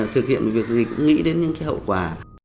thực hiện một việc gì cũng nghĩ đến những cái hậu quả